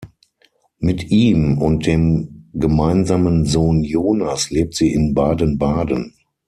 Mit ihm und dem gemeinsamen Sohn Jonas lebt sie in Baden-Baden.